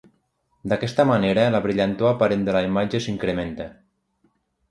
D'aquesta manera, la brillantor aparent de la imatge s'incrementa.